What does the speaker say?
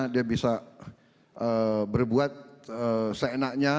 dia bisa berbuat seenaknya